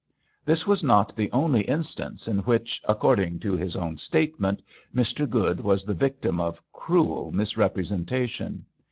This was not the only instance in which, according to his own statement, Mr. Good was the victim of cruel misrepresentation.